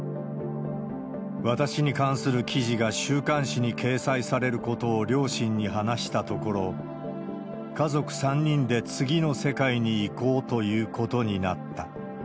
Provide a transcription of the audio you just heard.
私に関する記事が週刊誌に掲載されることを両親に話したところ、家族３人で次の世界に行こうということになった。